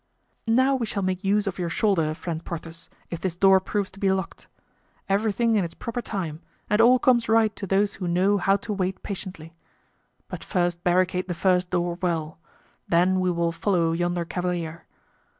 "Now we shall make use of your shoulder, friend Porthos, if this door proves to be locked. Everything in its proper time, and all comes right to those who know how to wait patiently. But first barricade the first door well; then we will follow yonder cavalier."